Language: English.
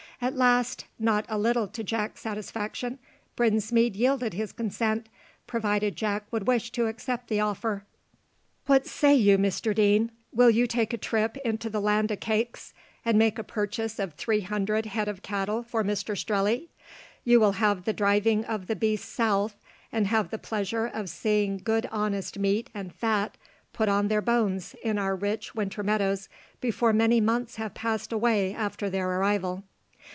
At last, not a little to Jack's satisfaction, Brinsmead yielded his consent, provided Jack would wish to accept the offer. "What say you, Mr Deane, will you take a trip into the land o' cakes, and make a purchase of three hundred head of cattle for Mr Strelley? You will have the driving of the beasts south, and have the pleasure of seeing good honest meat and fat put on their bones in our rich water meadows before many months have passed away after their arrival."